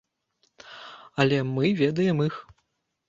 Але мы ведаем іх.